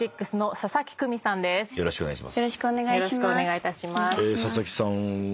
佐々木さんは。